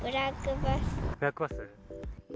ブラックバス。